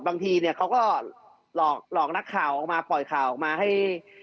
บางทีเนี่ยเขาก็หลอกนักข่าวออกมาปล่อยข่าวออกมาให้